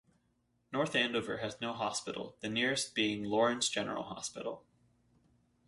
North Andover has no hospital, the nearest being Lawrence General Hospital.